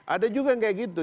ada juga yang kayak gitu